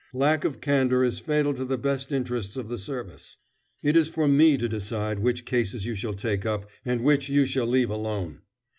Lack of candor is fatal to the best interests of the service. It is for me to decide which cases you shall take up and which you shall leave alone.